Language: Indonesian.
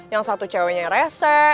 yang satu cewe nya rese